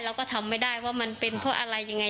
เราก็ทำไม่ได้ว่ามันเป็นเพราะอะไรยังไง